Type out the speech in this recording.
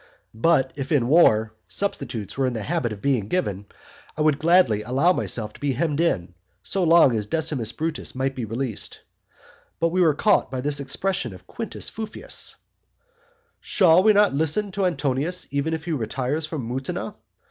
But if in war, substitutes were in the habit of being given, I would gladly allow myself to be hemmed in, so long as Decimus Brutus might be released. But we were caught by this expression of Quintus Fufius; "Shall we not listen to Antonius, even if he retires from Mutina?